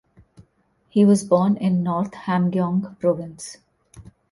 He was born in North Hamgyong Province.